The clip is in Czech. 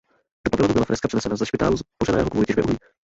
Do pavilonu byla freska přenesena ze špitálu zbořeného kvůli těžbě uhlí.